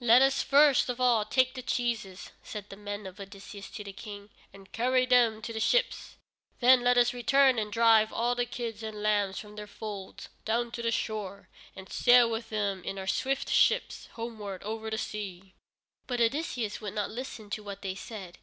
"Let us first of all take the cheeses," said the men of Odysseus to their King, "and carry them to the ships. Then let us return and drive all the kids and lambs from their folds down to the shore, and sail with them in our swift ships homeward over the sea." But Odysseus would not listen to what they said.